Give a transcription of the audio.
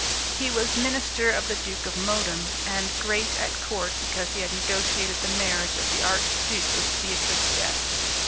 He was minister of the Duke of Modem, and great at Court because he had negotiated the marriage of the arch duke with Beatrice d'Este.